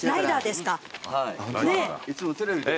いつもテレビで。